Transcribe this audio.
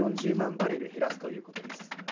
バレル減らすということです。